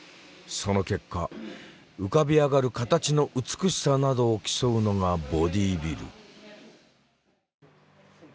その結果浮かび上がる形の美しさなどを競うのがボディビル。